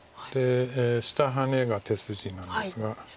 下ハネが手筋なんですが。